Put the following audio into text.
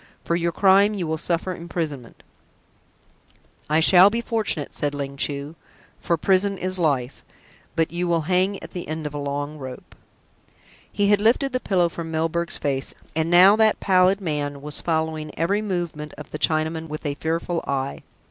"For your crime you will suffer imprisonment" "I shall be fortunate," said Ling Chu; "for prison is life. But you will hang at the end of a long rope." He had lifted the pillow from Milburgh's face, and now that pallid man was following every movement of the Chinaman with a fearful eye.